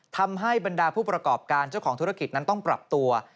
ทำให้บรรดาผู้ประกอบการเจ้าของธุรกิจนั้นต้องปรับตัว